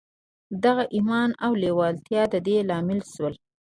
د هغه ايمان او لېوالتیا د دې لامل شول.